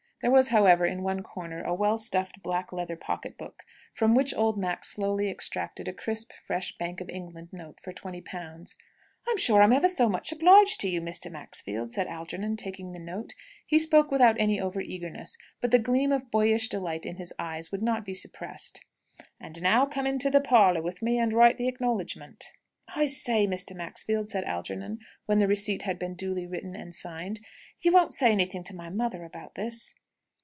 There was, however, in one corner a well stuffed black leather pocket book, from which old Max slowly extracted a crisp, fresh Bank of England note for twenty pounds. "I'm sure I'm ever so much obliged to you, Mr. Maxfield," said Algernon, taking the note. He spoke without any over eagerness, but the gleam of boyish delight in his eyes would not be suppressed. "And now come into the parlour with me, and write the acknowledgment." "I say, Mr. Maxfield," said Algernon, when the receipt had been duly written and signed, "you won't say anything to my mother about this?"